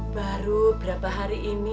baru beberapa hari ini